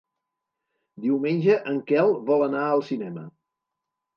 Diumenge en Quel vol anar al cinema.